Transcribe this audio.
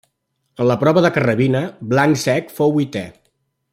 En la prova de carrabina, blanc cec fou vuitè.